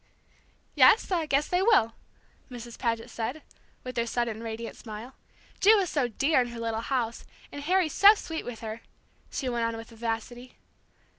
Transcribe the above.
"Yes, I guess they will," Mrs. Paget said, with her sudden radiant smile. "Ju is so dear in her little house, and Harry's so sweet with her," she went on with vivacity.